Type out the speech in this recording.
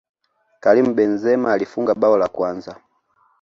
karim benzema alifunga bao la kwanza